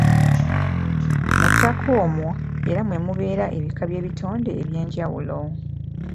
Mu ttaka omwo era mwe mubeera ebika by'ebitonde ebyenjawulo